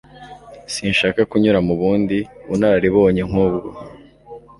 Sinshaka kunyura mu bundi bunararibonye nkubwo.